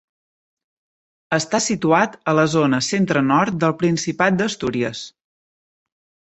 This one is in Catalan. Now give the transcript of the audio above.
Està situat a la zona centre-nord del Principat d'Astúries.